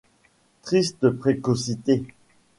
Triste précocité !